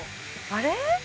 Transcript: あれ？